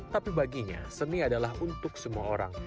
tapi baginya seni adalah untuk semua orang